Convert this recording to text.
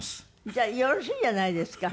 じゃあよろしいんじゃないですか？